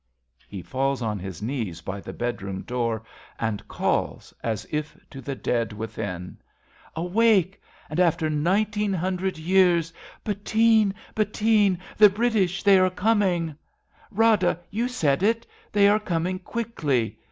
{He falls on his knees by the bed room door and calls, as if to the dead within :) Awake, and after nineteen hundred years. ... Bettine, Bettine ! the British, they are coming ! 72 A BELGIAN CHRISTMAS EVE Rada, you said it — they are coming quickly